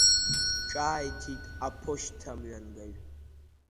Ҿааиҭит аԥошьҭамҩангаҩ…